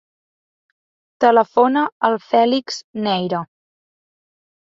Telefona al Fèlix Neira.